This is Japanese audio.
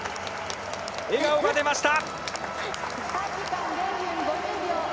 笑顔が出ました！